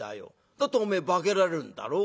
だっておめえ化けられるんだろう？